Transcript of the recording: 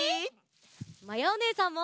まやおねえさんも。